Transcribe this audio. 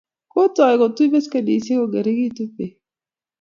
Kotoi kotui beskenisiek kongeringitu bek